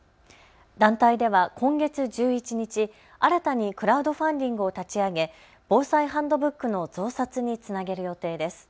団体では今月１１日、新たにクラウドファンディングを立ち上げ防災ハンドブックの増刷につなげる予定です。